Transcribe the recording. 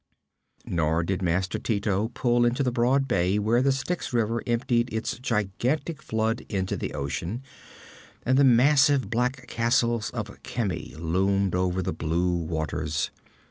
Nor did master Tito pull into the broad bay where the Styx river emptied its gigantic flood into the ocean, and the massive black castles of Khemi loomed over the blue waters.